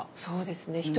そうですね。